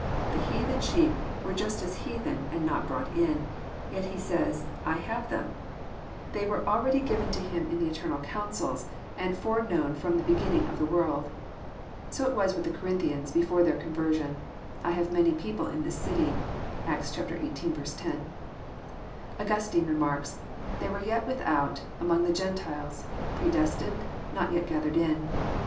The heathen sheep were as yet heathen, and not brought in : yet He says, " I have them." They were already given to Him 198 EXPOSITORY THOUGHTS. In the eternal councils, and foreknown from the beginning of the world. So it was with the Corinthians before their conver sion :" I have much people In this city." (Acts xviii. 10.) Augustine remarks: "They were yet without, among the Gentiles, predestinated, not yet gathered in.